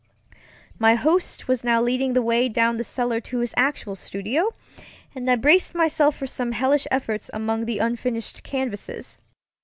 My host was now leading the way down cellar to his actual studio, and I braced myself for some hellish effects among the unfinished canvases.